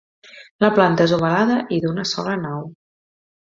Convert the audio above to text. La planta és ovalada i d'una sola nau.